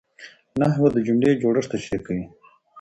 نحوه د جملې جوړښت تشریح کوي.